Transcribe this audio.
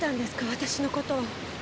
私のことを。